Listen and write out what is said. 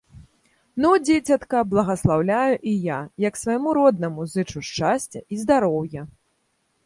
Ну, дзіцятка, благаслаўляю і я, як свайму роднаму, зычу шчасця і здароўя.